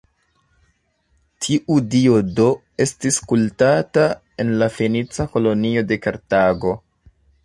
Tiu dio do, estis kultata en la fenica kolonio de Kartago.